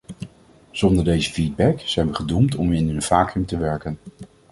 Zonder deze feedback zijn we gedoemd om in een vacuüm te werken.